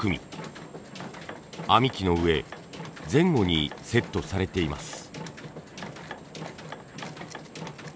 編機の上前後にセットされています。